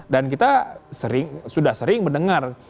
dan kita sudah sering mendengar